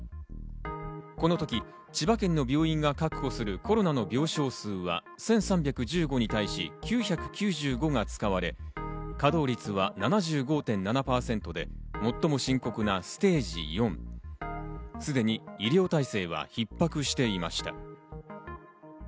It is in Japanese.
この時、千葉県の病院が確保するコロナの病床数は１３１５に対し９９５が使われ、稼働率は７５．７％で最も深刻なステージ４、すでに医療体制は逼迫していました。